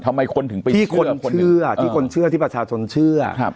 ที่คนเชื่อที่ประชาชนเชื่อ